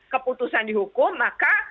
keputusan dihukum maka